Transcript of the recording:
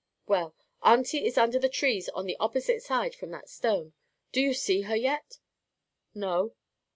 "Well, auntie is under the trees on the opposite side from that stone. Do you see her yet?" "No."